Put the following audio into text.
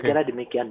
saya kira demikian